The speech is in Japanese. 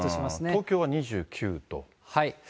東京は２９度。